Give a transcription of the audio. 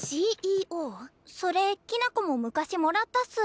それきな子も昔もらったっす。